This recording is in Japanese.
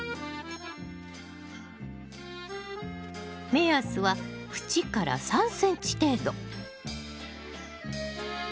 目安は縁から３ｃｍ程度。